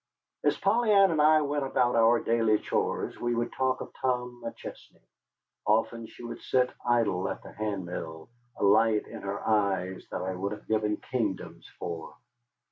As Polly Ann and I went about our daily chores, we would talk of Tom McChesney. Often she would sit idle at the hand mill, a light in her eyes that I would have given kingdoms for.